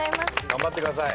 頑張ってください。